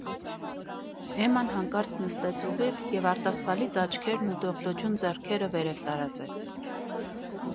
Էմման հանկարծ նստեց ուղիղ և արտասվալից աչքերն ու դողդոջուն ձեռքերը վերև տարածեց: